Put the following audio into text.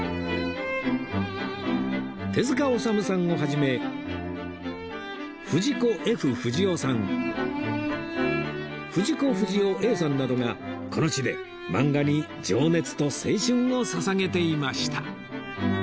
手治虫さんを始め藤子・ Ｆ ・不二雄さん藤子不二雄さんなどがこの地でマンガに情熱と青春を捧げていました